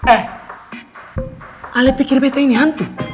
eh alih pikir beta ini hantu